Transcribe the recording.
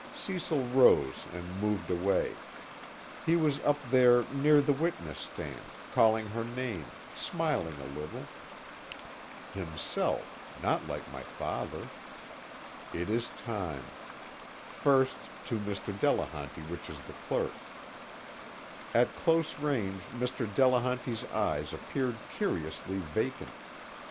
Cecil rose and moved away; he was up there near the witness stand, calling her name, smiling a little Himself, not like my father. It is time. First to Mr. Delehanty which is the Clerk. At close range Mr. Delehanty's eyes appeared curiously vacant.